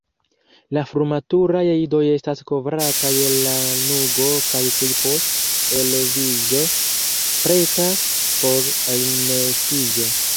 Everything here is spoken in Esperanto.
La frumaturaj idoj estas kovrataj el lanugo kaj tuj post eloviĝo pretas por elnestiĝo.